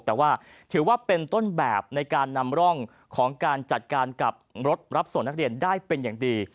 แต่ว่าถือว่าเป็นต้นแบบในการนำร่องของการจัดการกับรถรับส่งนักเรียนได้เป็นอย่างดี